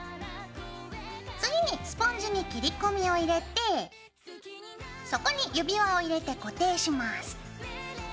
次にスポンジに切り込みを入れてそこに指輪を入れて固定します。